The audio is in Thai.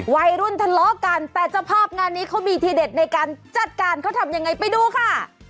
วัยรุ่นทะเลาะกันแต่เจ้าภาพงานนี้เขามีทีเด็ดในการจัดการเขาทำยังไงไปดูค่ะ